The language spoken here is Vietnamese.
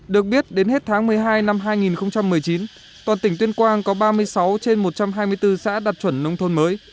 được biết đến hết tháng một mươi hai năm hai nghìn một mươi chín toàn tỉnh tuyên quang có ba mươi sáu trên một trăm hai mươi bốn xã đạt chuẩn nông thôn mới